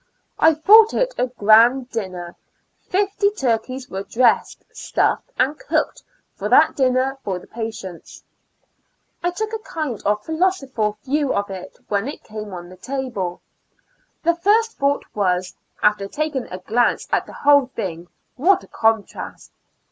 I thought it a grand dinner; fifty turkeys were dressed, stuffed and cooked for that dinner for the patients. I took a kind of philosophical view of it when it came on the • table. The first thought was, after taking a glance at the whole thing, what a contrast.